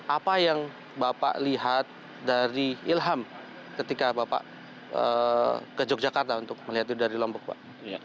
apa yang bapak lihat dari ilham ketika bapak ke yogyakarta untuk melihat itu dari lombok pak